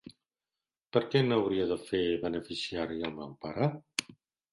Per què no hauria de fer beneficiari el meu pare?